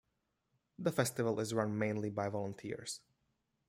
The festival is run mainly by volunteers.